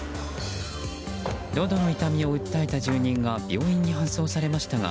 のどの痛みを訴えた住民が病院に搬送されましたが